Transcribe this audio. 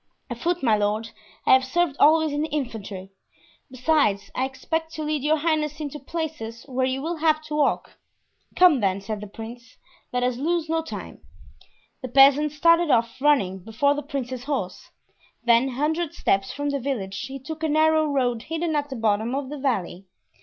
"Afoot, my lord; I have served always in the infantry. Besides, I expect to lead your highness into places where you will have to walk." "Come, then," said the prince; "let us lose no time." The peasant started off, running before the prince's horse; then, a hundred steps from the village, he took a narrow road hidden at the bottom of the valley.